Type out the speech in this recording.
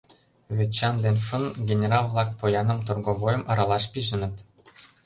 Вет Чан ден Фын генерал-влак пояным, торговойым аралаш пижыныт.